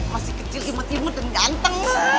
masih kecil imut imut dan ganteng loh